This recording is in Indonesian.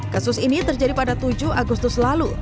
kasus ini terjadi pada tujuh agustus lalu